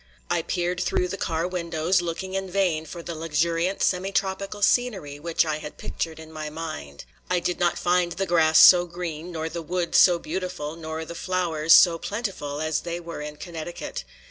I peered through the car windows, looking in vain for the luxuriant semi tropical scenery which I had pictured in my mind. I did not find the grass so green, nor the woods so beautiful, nor the flowers so plentiful, as they were in Connecticut.